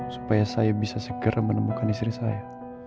supaya saya bisa segera menemukan istri saya